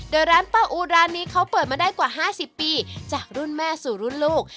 โดยร้านป้าอูร้านนี้เขาเปิดมาได้กว่า๕๐ปีจากรุ่นแม่สู่รุ่นลูก